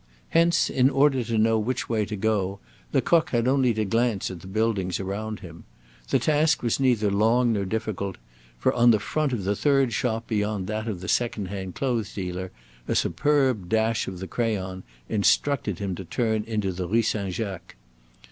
Hence, in order to know which way to go, Lecoq had only to glance at the buildings around him. The task was neither long nor difficult, for on the front of the third shop beyond that of the second hand clothes dealer a superb dash of the crayon instructed him to turn into the Rue Saint Jacques.